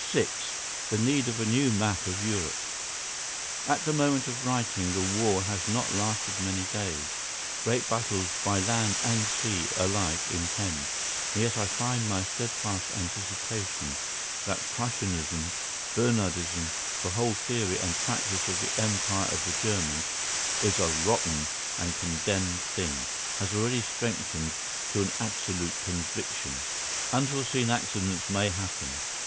VI THE NEED OF A NEW MAP OF EUROPE At the moment of writing the war has not lasted many days, great battles by land and sea alike impend, and yet I find my steadfast anticipation that Prussianism, Bernhardi ism, the whole theory and practice of the Empire of the Germans, is a rotten and condemned thing, has already strengthened to an absolute conviction. Unforeseen accidents may happen.